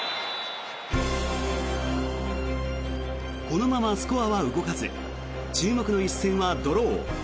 このままスコアは動かず注目の一戦はドロー。